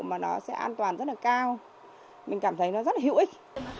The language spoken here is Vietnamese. mà nó sẽ an toàn rất là cao mình cảm thấy nó rất là hữu ích